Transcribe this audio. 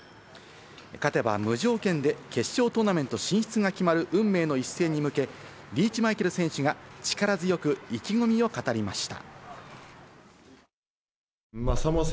勝てば無条件で決勝トーナメント進出が決まる運命の一戦に向け、リーチ・マイケル選手が力強く意気込みを語りました。